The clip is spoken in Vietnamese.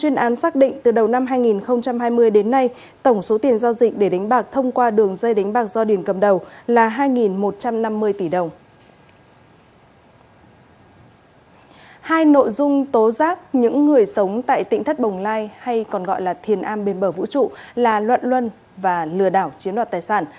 hai nội dung tố giác những người sống tại tỉnh thất bồng lai hay còn gọi là thiền an bên bờ vũ trụ là luận luân và lừa đảo chiếm đoạt tài sản